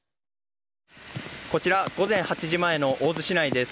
こちら午前８時前の大洲市内です。